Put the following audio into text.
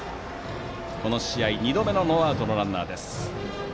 この試合、２度目のノーアウトのランナーです。